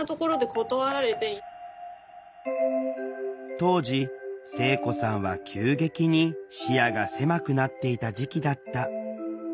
当時聖子さんは急激に視野が狭くなっていた時期だった。